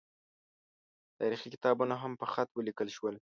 تاریخي کتابونه هم په خط ولیکل شول.